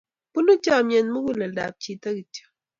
bunu chomyet muguleldab chito kityo